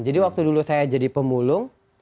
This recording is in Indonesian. waktu dulu saya jadi pemulung